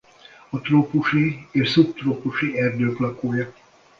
Trópusi és szubtrópusi erdők lakója.